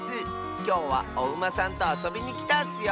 きょうはおウマさんとあそびにきたッスよ。